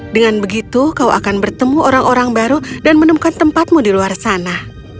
dengan begitu kau akan bertemu orang orang baru dan menemukan tempatmu di luar sana